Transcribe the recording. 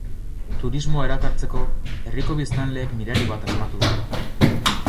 Turismoa erakartzeko herriko biztanleek mirari bat asmatu dute.